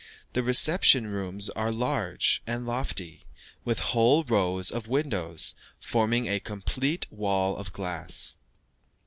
The reception rooms are large and lofty, with whole rows of windows, forming a complete wall of glass.